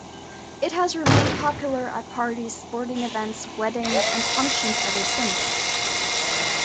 It has remained popular at parties, sporting events, weddings, and functions ever since.